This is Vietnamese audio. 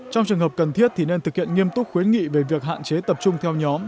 trong trường hợp cần thiết thì nên thực hiện nghiêm túc khuyến nghị về việc hạn chế tập trung theo nhóm